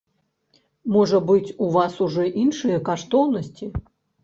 Можа быць, у вас ужо іншыя каштоўнасці?